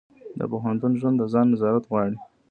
د پوهنتون ژوند د ځان نظارت غواړي.